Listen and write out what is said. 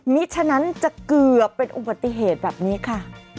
ฉะนั้นจะเกือบเป็นอุบัติเหตุแบบนี้ค่ะ